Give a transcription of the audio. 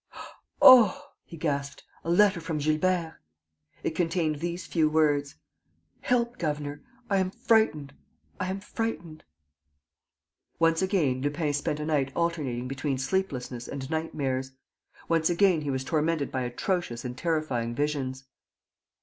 _" "Oh," he gasped, "a letter from Gilbert!" It contained these few words: "Help, governor!... I am frightened. I am frightened...." Once again, Lupin spent a night alternating between sleeplessness and nightmares. Once again, he was tormented by atrocious and terrifying visions.